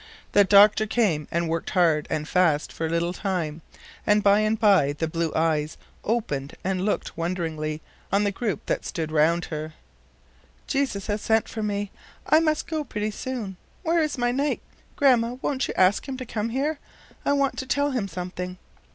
The doctor came and worked hard and fast for a little time, and by and by the blue eyes opened and looked wonderingly on the group that stood around her. "Jesus has sent for me. I must go pretty soon. Where is my knight? Grandma, won't you ask him to come here? I want to tell him something."